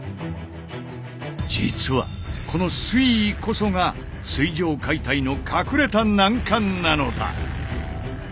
実はこの水位こそが水上解体の隠れた難関なのだ！